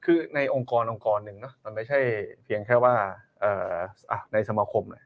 คือในองค์กรองค์กรหนึ่งมันไม่ใช่เพียงแค่ว่าในสมาคม